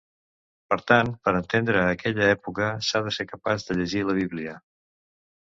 Per tant, per entendre aquella època, s'ha de ser capaç de llegir la Bíblia.